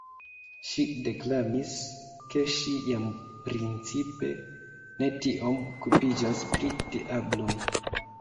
Ŝi deklamis, ke ŝi jam principe ne tiom okupiĝas pri diabloj.